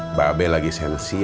mba be lagi sensian